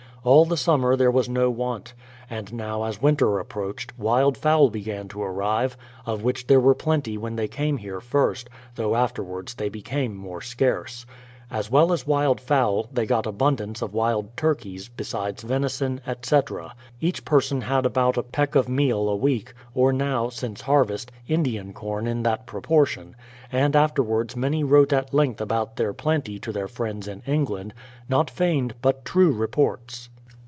All the summer there was no want. And now, as winter approached, wild fowl began to arrive, of which there were plenty when they came here first, though afterwards they became more scarce. As well as wild fowl, they got abundance of wild turkeys, besides venison, etc. Each person had about a peck of meal a week, or now, since harvest, Indian corn in that proportion ; and afterv; ards many v. rote at length about their plenty to their friends in England, — not feigned but true reports.